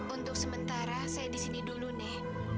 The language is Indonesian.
untuk sementara saya disini dulu nek